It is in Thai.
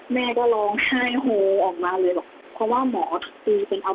แม่ก็ร้องไห้โฮออกมาเลย